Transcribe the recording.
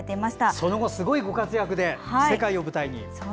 その後、すごいご活躍で世界を舞台に。